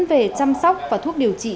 về chăm sóc và thuốc điều trị